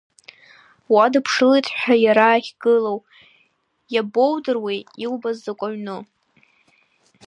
Уадыԥшылт ҳәа иара ахьгылоу, иабоудыруеи иубаз закә ҩну?